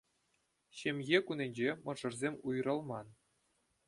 Ҫемье кунӗнче мӑшӑрсем уйрӑлман